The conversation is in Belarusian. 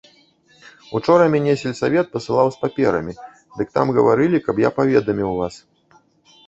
Учора мяне сельсавет пасылаў з паперамі, дык там гаварылі, каб я паведаміў вас.